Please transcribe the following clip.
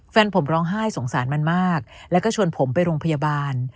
แฟนผมร้องไห้สงสารมันมากแล้วก็ชวนผมไปโรงพยาบาล